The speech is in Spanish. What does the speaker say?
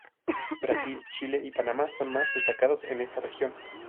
Brasil, Chile y Panamá son los más destacados en esta región.